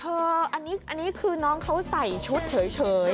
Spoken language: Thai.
อันนี้คือน้องเขาใส่ชุดเฉย